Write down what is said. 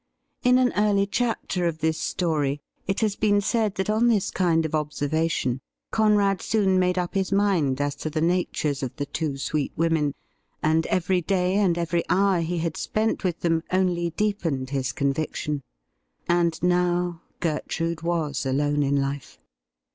In an early chapter of this story it has been said that on this kind of observation Conrad soon made up his mind eis to the natures of the two sweet women, and every day and every hour he had spent with them only deepened his conviction. And now Gertrude was alone in life